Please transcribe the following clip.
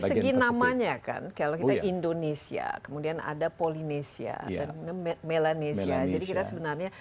segi namanya kanakhila kita indonesia kemudian ada polynesia dan melanesia jadi kita sebenarnya